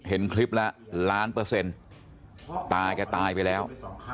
เห็นคลิปแล้วล้านเปอร์เซ็นต์ตาแกตายไปแล้ว